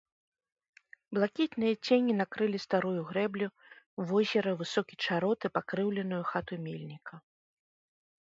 Блакітныя цені накрылі старую грэблю, возера, высокі чарот і пакрыўленую хату мельніка.